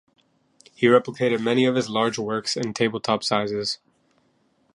He replicated many of his large works in table-top sizes.